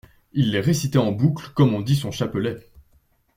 Il les récitait en boucle comme on dit son chapelet.